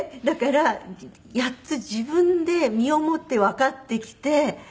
だからやっと自分で身をもってわかってきて。